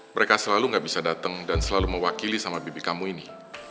mereka selalu gak bisa datang dan selalu mewakili sama bibi kamu ini